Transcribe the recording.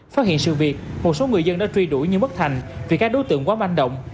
phát hiện sự việc một số người dân đã truy đuổi nhưng bất thành vì các đối tượng quá manh động